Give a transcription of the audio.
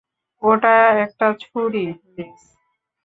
ওটা একটা ছুরি, লিস।